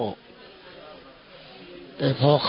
นี่ก็อาศัยเงินเดือนเขาซื้อข้าว